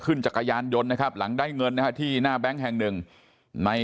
จักรยานยนต์นะครับหลังได้เงินนะฮะที่หน้าแบงค์แห่งหนึ่งใน